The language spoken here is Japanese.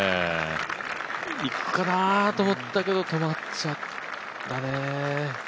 いくかなと思ったけど止まっちゃったね。